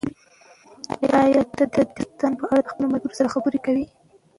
ایا ته د دې داستان په اړه له خپلو ملګرو سره خبرې کوې؟